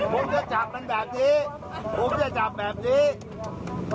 ผมจะจับมันแบบนี้ผมจะจับแบบนี้